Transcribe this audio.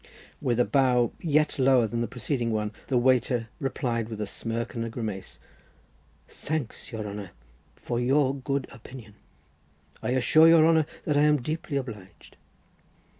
With a bow yet lower than the preceding one the waiter replied with a smirk and a grimace, "Thank, your honour, for your good opinion. I assure your honour that I am deeply obliged."